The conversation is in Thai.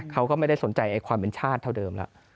เขาก็ไม่ได้สนใจความเป็นชาติเท่าเดิมแล้ว